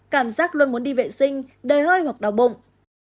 cảm giác luôn muốn đi vệ sinh đầy hơi hoặc đau bụng